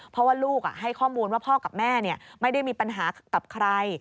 เพราะว่าลูกให้ข้อมูลว่าพ่อกับแม่ไม่ได้มีปัญหากับใคร